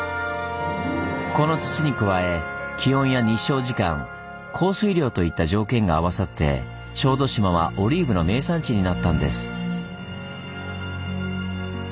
この土に加え気温や日照時間降水量といった条件が合わさって小豆島はオリーブの名産地になったんです。